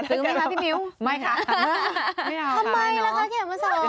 ถือไหมคะพี่มิวไม่ค่ะทำไมล่ะคะแคบเมื่อสอง